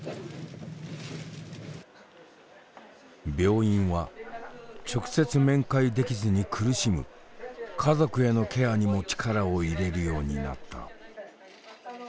病院は直接面会できずに苦しむ家族へのケアにも力を入れるようになった。